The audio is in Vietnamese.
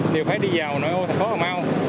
đều phải đi vào nội ô thành phố cà mau